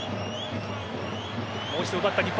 もう一度奪った日本。